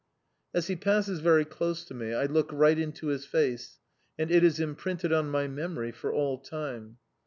As he passes very close to me, I look right into his face, and it is imprinted on my memory for all time.